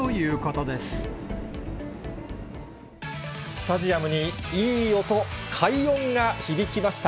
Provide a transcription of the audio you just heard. スタジアムにいい音、快音が響きました。